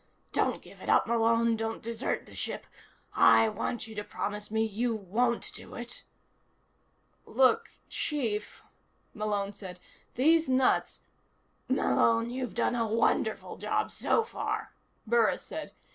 Don't give it up, Malone. Don't desert the ship. I want you to promise me you won't do it." "Look, chief," Malone said. "These nuts " "Malone, you've done a wonderful job so far," Burris said.